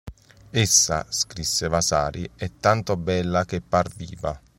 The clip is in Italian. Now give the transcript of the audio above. Essa, scrisse Vasari, "è tanto bella che par viva".